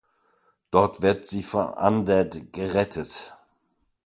Doch wird sie von Undead gerettet.